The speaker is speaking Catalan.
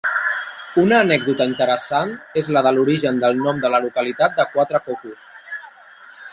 Una anècdota interessant és la de l'origen del nom de la localitat de Quatre Cocos.